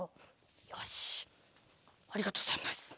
よしありがとうございます。